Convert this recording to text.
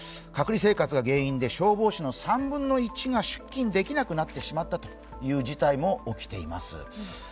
隔離生活が原因で消防士の３分の１が出勤できなくなってしまったという事態も起きています。